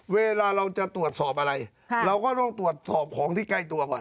เวลาเราจะตรวจสอบอะไรเราก็ต้องตรวจสอบของที่ใกล้ตัวก่อน